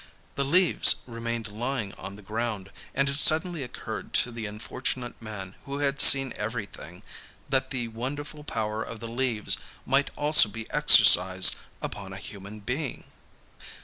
The leaves remained lying on the ground, and it suddenly occurred to the unfortunate man who had seen everything, that the wonderful power of the leaves might also be exercised upon a human being.